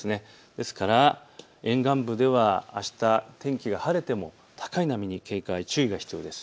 ですから沿岸部ではあした、天気が晴れても高い波に注意、警戒が必要です。